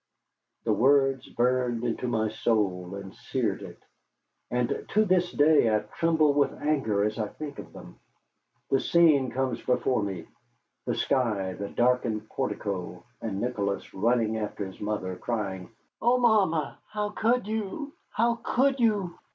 The words burned into my soul and seared it. And to this day I tremble with anger as I think of them. The scene comes before me: the sky, the darkened portico, and Nicholas running after his mother crying: "Oh, mamma, how could you! How could you!"